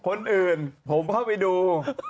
คนอื่นผมเข้าไปดู